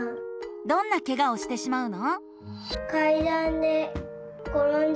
どんなケガをしてしまうの？